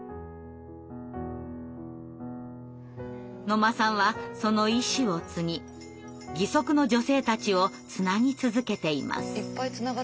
野間さんはその意思を継ぎ義足の女性たちをつなぎ続けています。